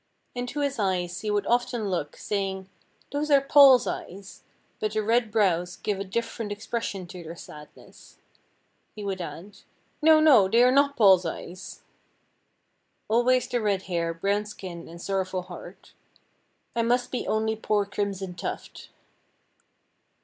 Into his eyes he would often look, saying, "Those are Paul's eyes, but the red brows give a different expression to their sadness," he would add, "No! no! they are not Paul's eyes." Always the red hair, brown skin and sorrowful heart, "I must be only poor Crimson Tuft."